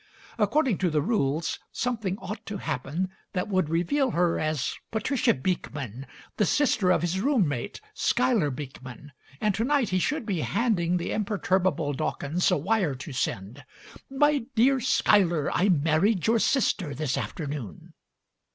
According to the rules, something ought to happen that would reveal her as Patricia Beekman, the sister of his roommate, Schuyler Beekman, and to night he should be handing the imperturbable Dawkins a wire to send: "My dear Schuyler, I married your sister this afternoon."